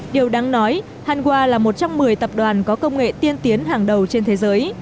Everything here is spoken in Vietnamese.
điều đáng nói hanwha là một trong một mươi tập đoàn có công nghệ tiên tiến hàng đầu trên thế giới